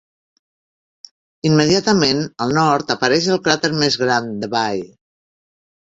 Immediatament al nord apareix el cràter més gran Debye.